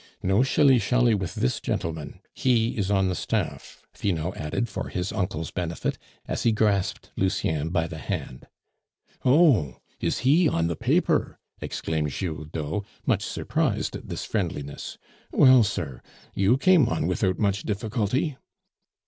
"No shilly shally with this gentleman; he is on the staff," Finot added for his uncle's benefit, as he grasped Lucien by the hand. "Oh! is he on the paper?" exclaimed Giroudeau, much surprised at this friendliness. "Well, sir, you came on without much difficulty."